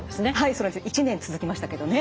それで１年続きましたけどね。